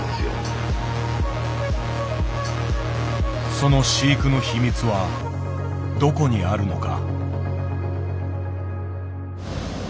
その飼育の秘密はどこにあるのか。